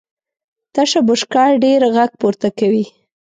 تشه بشکه ډېر غږ پورته کوي .